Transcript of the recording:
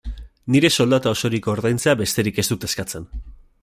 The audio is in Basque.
Nire soldata osorik ordaintzea besterik ez dut eskatzen.